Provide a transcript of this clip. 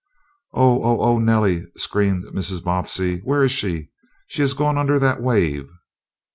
"Oh, oh, oh, Nellie!" screamed Mrs. Bobbsey. "Where is she? She has gone under that wave!"